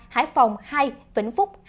hải phòng hai vĩnh phúc hai thái bình một